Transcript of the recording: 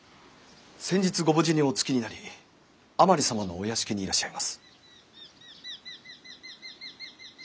先日ご無事にお着きになり甘利様のお屋敷にいらっしゃいます。